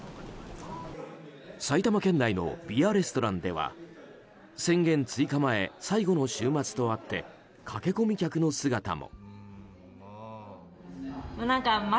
埼玉県内のビアレストランでは宣言追加前最後の週末とあって駆け込み客の姿も。